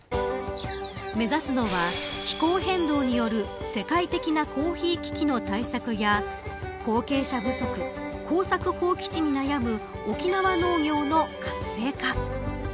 目指すのは気候変動による世界的なコーヒー危機の対策や後継者不足、耕作放棄地に悩む沖縄農業の活性化。